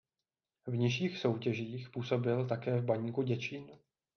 V nižších soutěžích působil také v Baníku Děčín.